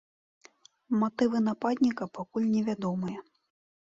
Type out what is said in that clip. Матывы нападніка пакуль не вядомыя.